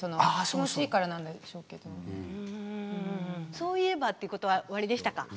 そういえばっていうことはおありでしたか？